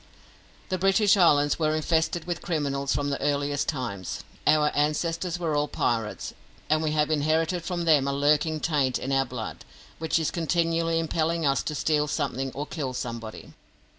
The British Islands were infested with criminals from the earliest times. Our ancestors were all pirates, and we have inherited from them a lurking taint in our blood, which is continually impelling us to steal something or kill somebody.